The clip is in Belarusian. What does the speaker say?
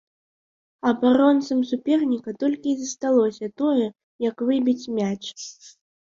Абаронцам суперніка толькі і засталося тое, як выбіць мяч.